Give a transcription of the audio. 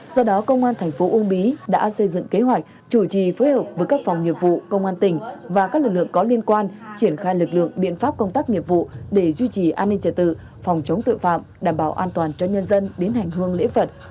do đó công an thành phố uông bí đã xây dựng kế hoạch chủ trì phối hợp với các phòng nghiệp vụ công an tỉnh và các lực lượng có liên quan triển khai lực lượng biện pháp công tác nghiệp vụ để duy trì an ninh trật tự phòng chống tội phạm đảm bảo an toàn cho nhân dân đến hành hương lễ phật